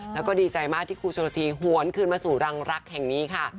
แล้วก็ดีใจมากที่ครูชนละทีหวนคืนมาสู่รังรักแห่งนี้ค่ะ